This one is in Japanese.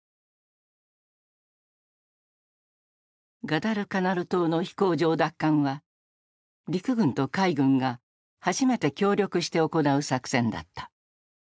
ガダルカナル島の飛行場奪還は陸軍と海軍が初めて協力して行う作戦だった。